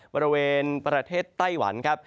บริเวณประเทศไต้หวันครับ